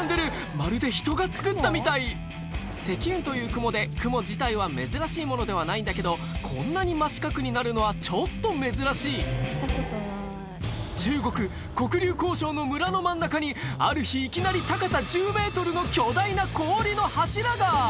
まるで人が作ったみたい積雲という雲で雲自体は珍しいものではないんだけどこんなに真四角になるのはちょっと珍しい中国黒竜江省の村の真ん中にある日いきなり高さ１０ｍの巨大な氷の柱が！